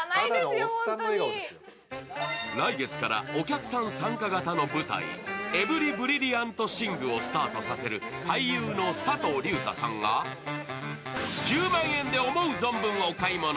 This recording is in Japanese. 来月からお客さん参加型の舞台「エブリ・ブリリアント・シング」をスタートさせる俳優の佐藤隆太さんが１０万円で思う存分お買い物。